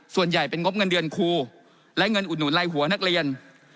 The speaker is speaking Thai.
ส่วนใหญ่เป็นงบเงินเดือนครูและเงินอุดหนุนลายหัวนักเรียน